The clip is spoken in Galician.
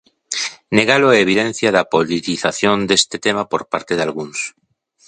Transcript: Negalo é evidencia da politización deste tema por parte dalgúns.